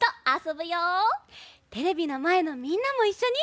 テレビのまえのみんなもいっしょに。